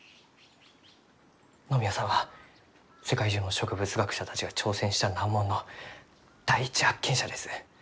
野宮さんは世界中の植物学者たちが挑戦した難問の第一発見者です。